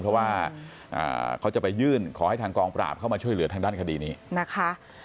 เพราะว่าเขาจะไปยื่นขอให้ทางกองปราบเข้ามาช่วยเหลือทางด้านคดีนี้นะคะ